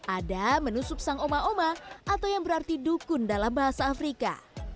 ada menu subsang oma oma atau yang berarti dukun dalam bahasa afrika